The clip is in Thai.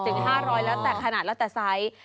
๕๐๐แล้วแต่ขนาดแล้วแต่ไซส์